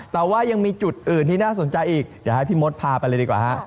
แต่ว่ายังมีจุดอื่นที่น่าสนใจอีกเดี๋ยวให้พี่มดพาไปเลยดีกว่าฮะ